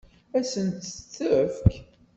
Ad sen-tt-tefk?